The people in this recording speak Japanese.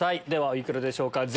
ではお幾らでしょうか？